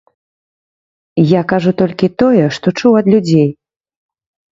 Я кажу толькі тое, што чуў ад людзей.